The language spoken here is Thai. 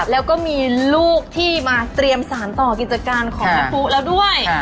แล้วก็มีลูกที่มาเตรียมสารต่อกิจการของแม่ปุ๊แล้วด้วย